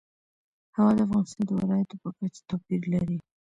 هوا د افغانستان د ولایاتو په کچه توپیر لري.